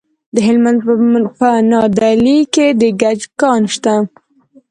د هلمند په نادعلي کې د ګچ کان شته.